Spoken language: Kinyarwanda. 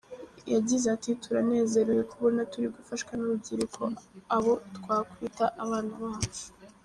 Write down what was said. Yagize ati“ Turanezerewe kubona turi gufashwa n’urubyiruko, abo twakwita abana bacu.